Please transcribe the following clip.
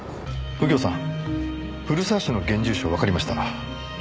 右京さん古澤氏の現住所わかりました。